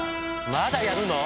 まだやるの？